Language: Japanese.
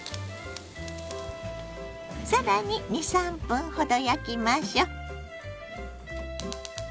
更に２３分ほど焼きましょ。